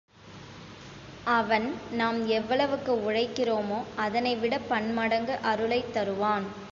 அவன் நாம் எவ்வளவுக்கு உழைக்கிறோமோ அதனைவிடப் பன்மடங்கு அருளைத் தருவான்.